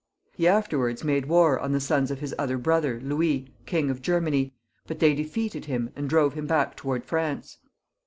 He afterwards made war on the sons of his other brother, Louis, King of Germany, but they d^eated him and drove him back towards France.